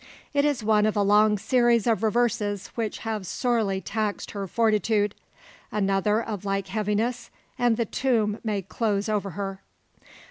It is one of a long series of reverses which have sorely taxed her fortitude. Another of like heaviness, and the tomb may close over her.